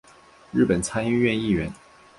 日本参议院议员。